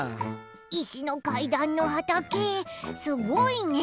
いしのかいだんのはたけすごいね！